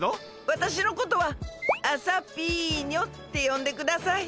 わたしのことはあさぴーにょってよんでください。